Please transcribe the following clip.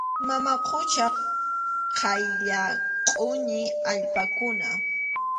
Mama qucha qaylla qʼuñi allpakuna.